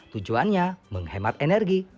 tujuannya menghemat energi